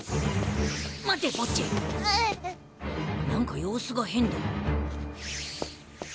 何か様子が変だ。